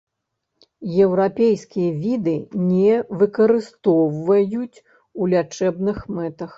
Еўрапейскія віды не выкарыстоўваюць у лячэбных мэтах.